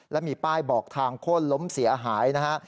และมีป้ายบอกทางโค้นล้มเสียหายนะฮะ